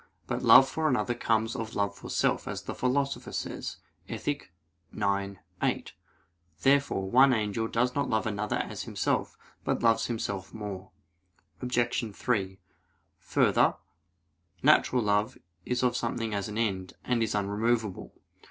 But love for another comes of love for self, as the Philosopher says (Ethic. ix, 8). Therefore one angel does not love another as himself, but loves himself more. Obj. 3: Further, natural love is of something as an end, and is unremovable.